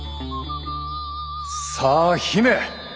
さあ姫！